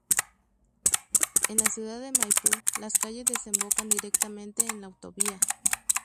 En la ciudad de Maipú las calles desembocan directamente en la autovía.